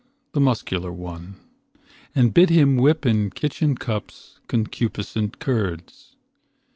The muscular one, and bid him whip In kitchen cups concupiscent curds.